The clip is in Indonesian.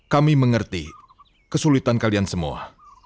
kami mengerti kesulitan kalian semua